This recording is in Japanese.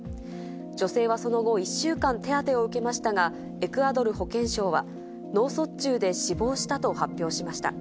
女性はその後、１週間、手当てを受けましたが、エクアドル保健省は、脳卒中で死亡したと発表しました。